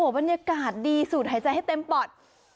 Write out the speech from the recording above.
บรรยากาศดีสุดหายใจให้เต็มปอด